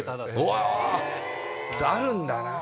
あるんだなぁ。